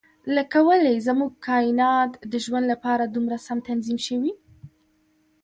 لکه ولې زموږ کاینات د ژوند لپاره دومره سم تنظیم شوي.